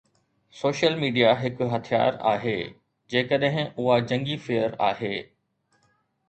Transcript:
Social media هڪ هٿيار آهي جيڪڏهن اها جنگي فيئر آهي.